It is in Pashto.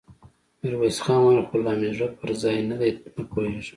ميرويس خان وويل: خو لا مې زړه پر ځای نه دی، نه پوهېږم!